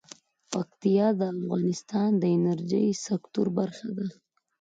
پکتیا د افغانستان د انرژۍ سکتور برخه ده.